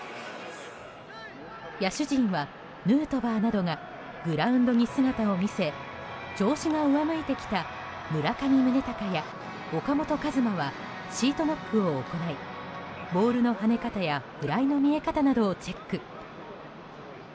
野手陣は、ヌートバーなどがグラウンドに姿を見せ調子が上向いてきた村上宗隆や岡本和真はシートノックを行いボールの跳ね方やフライの見え方などをチェック。